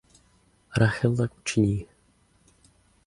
Rachel tak učiní.